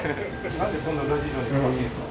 なんでそんな裏事情に詳しいんですか？